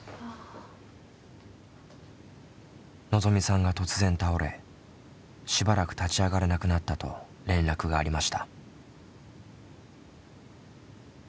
のぞみさんが突然倒れしばらく立ち上がれなくなったと連絡がありました。